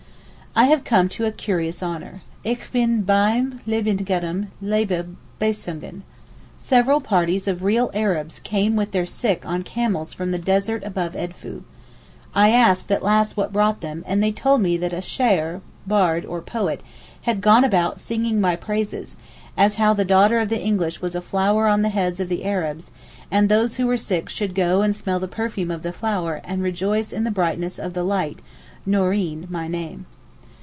I have come to a curious honour. Ich bin beim lebendigem Leibe besungen. Several parties of real Arabs came with their sick on camels from the desert above Edfou. I asked at last what brought them, and they told me that a Shaer (bard or poet) had gone about singing my praises, as how the daughter of the English was a flower on the heads of the Arabs, and those who were sick should go and smell the perfume of the flower and rejoice in the brightness of the light (nooreen)—my name.